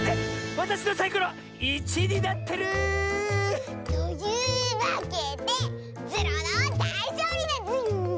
わたしのサイコロ１になってる！というわけでズルオのだいしょうりだズル！